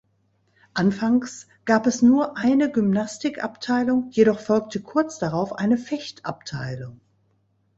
Anfangs gab es nur eine Gymnastik-Abteilung, jedoch folgte kurz darauf eine Fecht-Abteilung.